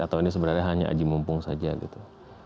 atau ini sebenarnya hanya aji mumpung saja gitu